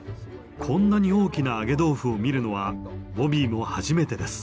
こんなに大きな揚げ豆腐を見るのはボビーも初めてです。